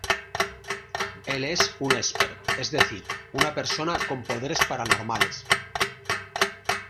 Él es un esper, es decir, una persona con poderes paranormales.